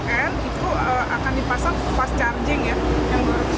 pln itu akan dipasang fast charging ya yang dua ratus kwh